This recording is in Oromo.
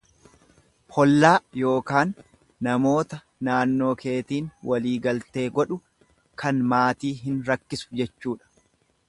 Hollaa ykn namoota naannoo keetiin walii galtee godhu kan maatii hin rakkisu jechuudha.